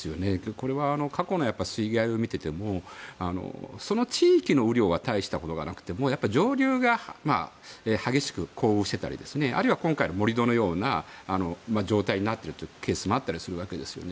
これは、過去の水害を見ていてもその地域の雨量は大したことがなくても上流が激しく降雨していたり今回の盛り土のような状態になっていたりするケースもあったりするわけですよね。